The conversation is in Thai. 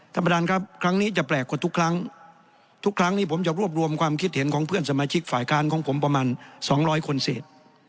ท่านประธานครับครั้งนี้จะแปลกกว่าทุกครั้งทุกครั้งนี้ผมจะรวบรวมความคิดเห็นของเพื่อนสมาชิกฝ่ายค้านของผมประมาณ๒๐๐คนเศษ